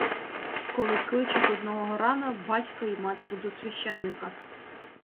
Коли кличуть одного рана батька й матір до священика.